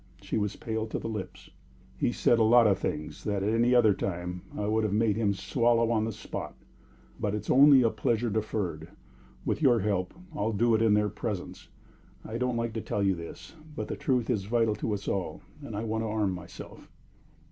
She was pale to the lips. "He said a lot of things that at any other time I would have made him swallow on the spot. But it's only a pleasure deferred. With your help, I'll do it in their presence. I don't like to tell you this, but the truth is vital to us all, and I want to arm myself."